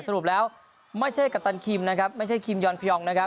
สรุปแล้วไม่ใช่กะตันคิมไม่ใช่คิมยอนพิอง